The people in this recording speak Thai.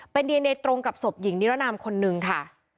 เป็นตรงกับสบหญิงนิรณามคนนึงค่ะ